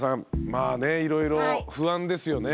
まあねいろいろ不安ですよね。